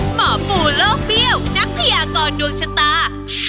หมอปู่โลกเบี้ยวนักพยากรดวงชะตา